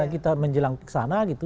kita menjelang ke sana gitu